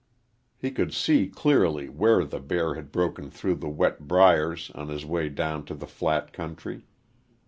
He could see clearly where the bear had broken through the wet briers on his way down to the flat country.